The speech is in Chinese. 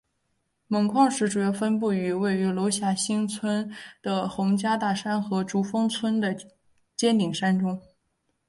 锰矿石主要分布于位于娄霞新村的洪家大山和竹峰村的尖顶山中。